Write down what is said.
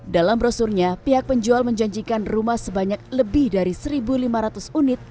dalam brosurnya pihak penjual menjanjikan rumah sebanyak lebih dari satu lima ratus unit